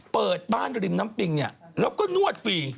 เปิดบ้านริมน้ำปิงเนี่ยแล้วก็นวดฟรี